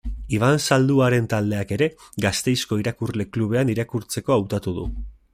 Iban Zalduaren taldeak ere, Gasteizko Irakurle Klubean, irakurtzeko hautatu du.